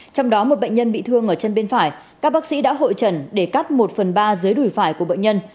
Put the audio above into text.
trong đó một bệnh nhân bị thương ở chân bên phải các bác sĩ đã hội trần để cắt một phần ba dưới đùi phải của bệnh nhân